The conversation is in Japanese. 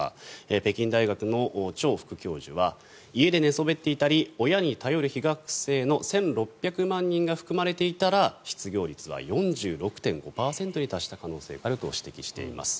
北京大学のチョウ副教授は家で寝そべっていたり親に頼る非学生の１６００万人が含まれていたら失業率は４６．５％に達した可能性があると指摘しています。